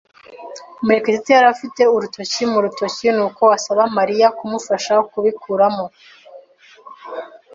Murekatete yari afite urutoki mu rutoki, nuko asaba Mariya kumufasha kubikuramo.